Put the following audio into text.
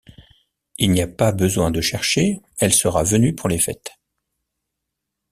Il n’y a pas besoin de chercher, elle sera venue pour les fêtes.